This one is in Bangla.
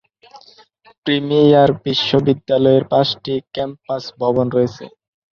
প্রিমিয়ার বিশ্ববিদ্যালয়ের পাঁচটি ক্যাম্পাস ভবন রয়েছে।